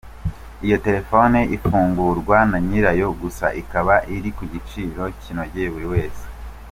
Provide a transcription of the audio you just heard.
Iyo telephone ifungurwa na nyirayo gusa ikaba iri kugiciro kinogeye buri wese.